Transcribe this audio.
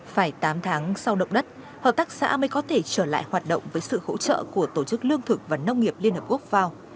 phải tám tháng sau động đất hợp tác xã mới có thể trở lại hoạt động với sự hỗ trợ của tổ chức lương thực và nông nghiệp liên hợp quốc fao